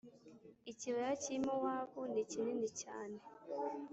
I kibaya cy i Mowabu ni kinini cyane